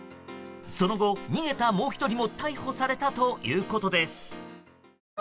その後、逃げたもう１人も逮捕されたということです。